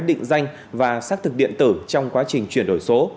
định danh và xác thực điện tử trong quá trình chuyển đổi số